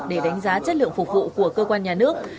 để đánh giá chất lượng phục vụ của cơ quan nhà nước